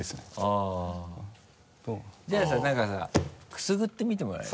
じゃあさなんかさくすぐってみてもらえる？